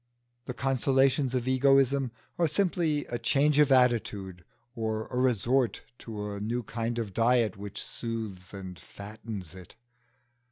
The consolations of egoism are simply a change of attitude or a resort to a new kind of diet which soothes and fattens it.